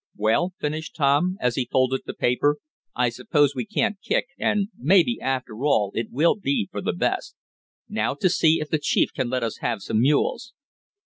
"Well," finished Tom. as he folded the paper, "I suppose we can't kick, and, maybe after all, it will be for the best. Now to see if the chief can let us have some mules."